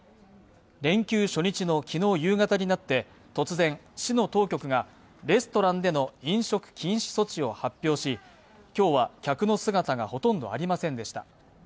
連休初日の昨日夕方になって突然、市の当局がレストランでの飲食禁止措置を発表し今日は客の姿がほとんどありませんでした。